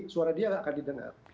suara dia nggak akan didengar